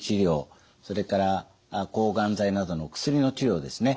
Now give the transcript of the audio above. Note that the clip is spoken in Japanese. それから抗がん剤などの薬の治療ですね